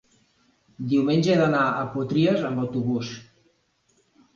Diumenge he d'anar a Potries amb autobús.